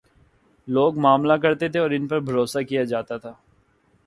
لوگ معاملہ کرتے تھے اور ان پر بھروسہ کیا جا تا تھا۔